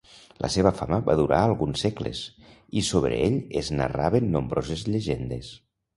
La seva fama va durar alguns segles, i sobre ell es narraven nombroses llegendes.